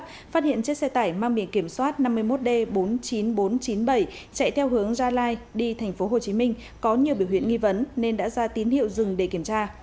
phát hiện chiếc xe tải mang biển kiểm soát năm mươi một d bốn mươi chín nghìn bốn trăm chín mươi bảy chạy theo hướng gia lai đi thành phố hồ chí minh có nhiều biểu huyện nghi vấn nên đã ra tín hiệu dừng để kiểm tra